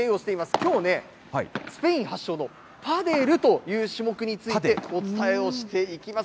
きょうね、スペイン発祥のパデルという種目についてお伝えをしていきます。